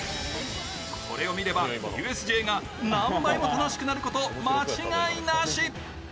これを見ればＵＳＪが何倍も楽しくなること間違いなし。